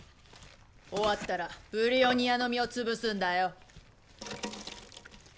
終わったらブリオニアの実を潰すんだよ。